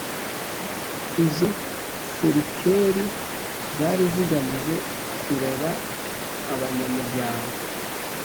Izo serikeri zari zigamije kurera abanyamuryango